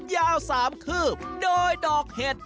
ยาว๓คืบโดยดอกเห็ด